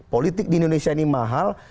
politik di indonesia ini mahal